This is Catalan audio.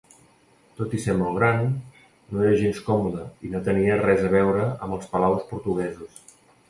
Tot i ser molt gran, no era gens còmode i no tenia res a veure amb els palaus portuguesos.